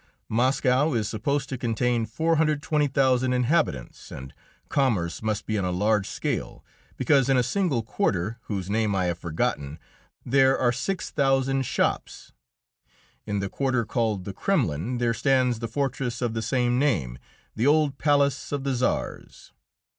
Moscow is supposed to contain 420,000 inhabitants, and commerce must be on a large scale, because in a single quarter, whose name I have forgotten, there are six thousand shops. In the quarter called the Kremlin there stands the fortress of the same name, the old palace of the czars.